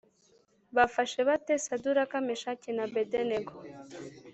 Bafashe bate Saduraka Meshaki na Abedenego